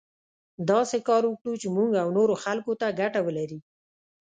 داسې کار وکړو چې موږ او نورو خلکو ته ګټه ولري.